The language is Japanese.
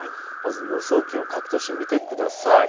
予想気温、各都市見ていきます。